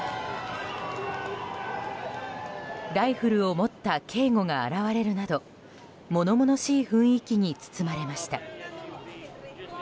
ライフルを持った警護が現れるなど物々しい雰囲気に包まれました。